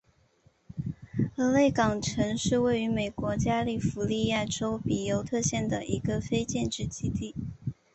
俄勒冈城是位于美国加利福尼亚州比尤特县的一个非建制地区。